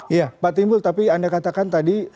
iya pak timbul tapi anda katakan tadi